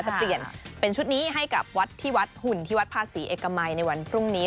จะเปลี่ยนเป็นชุดนี้ให้กับวัดที่วัดหุ่นที่วัดภาษีเอกมัยในวันพรุ่งนี้